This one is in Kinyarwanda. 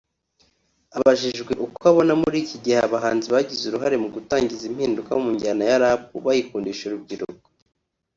Abajijwe uko abona muri iki gihe abahanzi bagize uruhare mu gutangiza impunduka mu njyana ya Rap bayikundisha urubyiruko